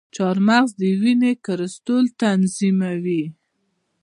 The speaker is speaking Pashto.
چارمغز د وینې کلسترول تنظیموي.